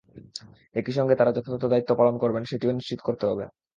একই সঙ্গে তাঁরা যথাযথ দায়িত্ব পালন করবেন, সেটিও নিশ্চিত করতে হবে।